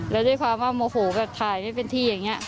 แล้วด้วยความว่าโมโหแบบถ่ายไม่เป็นที่อย่างนี้